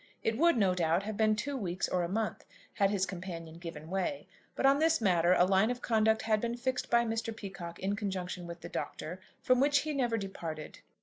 It would, no doubt, have been two weeks or a month had his companion given way; but on this matter a line of conduct had been fixed by Mr. Peacocke in conjunction with the Doctor from which he never departed.